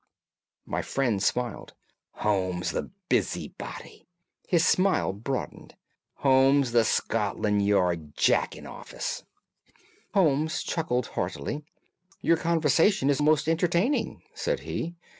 My friend smiled. "Holmes, the busybody!" His smile broadened. "Holmes, the Scotland Yard Jack in office!" Holmes chuckled heartily. "Your conversation is most entertaining," said he.